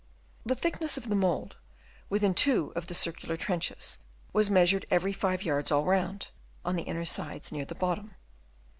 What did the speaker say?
The thickness of the mould within two of the circular trenches was measured every 5 yards all round, on the inner sides near the bottom.